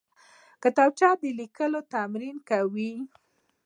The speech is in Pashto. کتابچه د لیکلو تمرین کوي